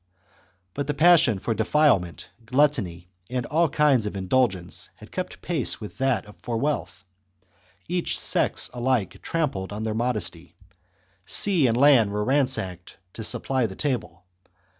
But the passion for defilement, gluttony, and all other kinds of indulgence, had kept pace with that for wealth. Each sex alike trampled on their modesty. Sea and land were ransacked to supply the table.